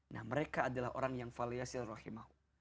nah mereka adalah orang yang faliyah silurahimah